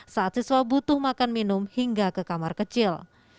saat siswa butuh makan minum hingga ke kamar kecil